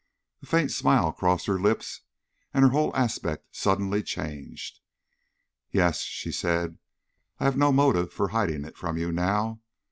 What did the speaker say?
A faint smile crossed her lips, and her whole aspect suddenly changed. "Yes," she said; "I have no motive for hiding it from you now.